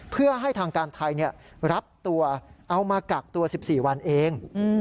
เพื่อให้ทางการไทยรับตัวเอามากักตัว๑๔วันเอง